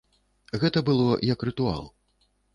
Гэта было як рытуал.